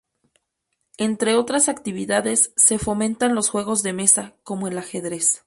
Entre otras actividades, se fomentan los juegos de mesa, como el ajedrez.